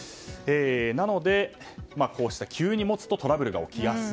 なので、こうして急に持つとトラブルが起きやすい。